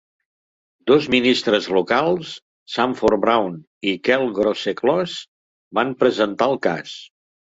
Dos ministres locals, Sanford Brown i Kel Groseclose van presentar el cas.